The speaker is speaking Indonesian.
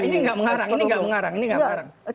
ini enggak mengarang ini enggak mengarang